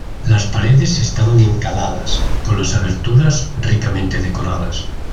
Las paredes estaban encaladas con las aberturas ricamente decoradas.